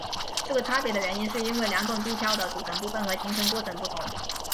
这个差别的原因是因为两种地壳的组成部分和形成过程不同。